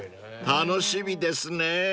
［楽しみですねぇ］